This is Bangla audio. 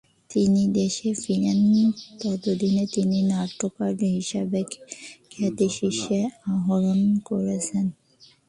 তিনি দেশে ফিরেন, ততদিনে তিনি নাট্যকার হিসেবে খ্যাতির শীর্ষে আরোহণ করেছেন।